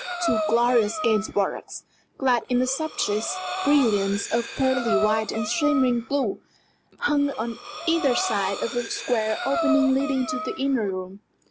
Two glorious Gainsboroughs, clad in the subtlest brilliance of pearly white and shimmering blue, hung on either side of the square opening leading to the inner room.